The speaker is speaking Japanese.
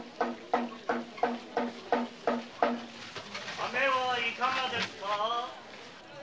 飴はいかがですか。